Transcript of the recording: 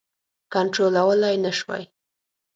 کنټرولولای نه شوای.